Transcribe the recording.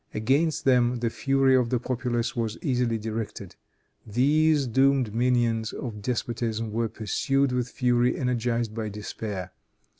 Against them the fury of the populace was easily directed. These doomed minions of despotism were pursued with fury energized by despair.